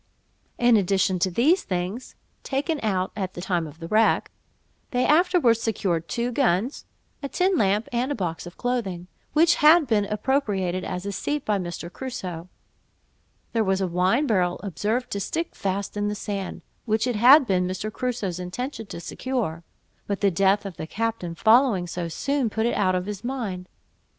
In addition to these things (taken out at the time of the wreck), they afterwards secured two guns, a tin lamp, and a box of clothing, which had been appropriated as a seat by Mr. Crusoe. There was a wine barrel observed to stick fast in the sand, which it had been Mr. Crusoe's intention to secure; but the death of the captain following so soon, put it out of his mind.